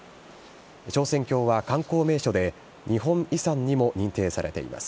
昇仙峡は観光名所で、日本遺産にも認定されています。